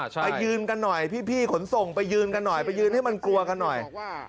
ไปยืนกันหน่อยพี่ขนส่งไปยืนกันหน่อยไปยืนให้มันกลัวกันหน่อย